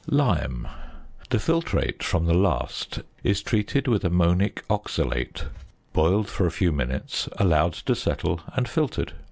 ~Lime.~ The filtrate from the last is treated with ammonic oxalate, boiled for a few minutes, allowed to settle, and filtered.